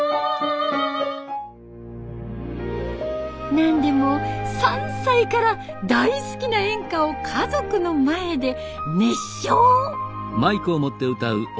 なんでも３歳から大好きな演歌を家族の前で熱唱。